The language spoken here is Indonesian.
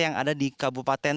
yang ada di kabupaten